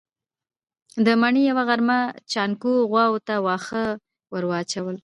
د مني يوه غرمه جانکو غواوو ته واښه ور اچول.